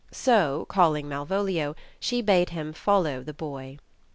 So, calling Mal volio, she bade him follow the boy.